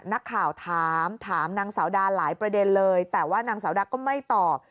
นักข่าวถามถามนางสาวดาหลายประเด็นเลยแต่ว่านางสาวดาก็ไม่ตอบ